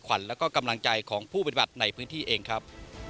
ขวัญแล้วก็กำลังใจของผู้ปฏิบัติในพื้นที่เองครับ